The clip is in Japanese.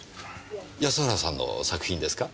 安原さんの作品ですか？